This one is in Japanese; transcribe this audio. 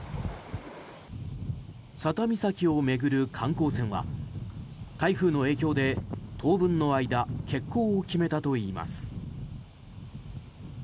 佐多岬を巡る観光船は台風の影響で当分の間欠航を決めたといいます。